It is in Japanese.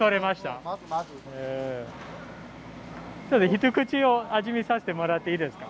一口味見させてもらっていいですか？